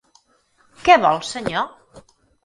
Què vol, senyor?